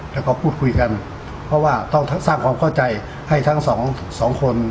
แล้วก็พูดคุยกันเพราะว่าต้องสร้างความเข้าใจให้ทั้งสองสองคน